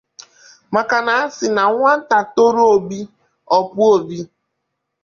maka na a sị na nwata toruo obi ọ pụọ obì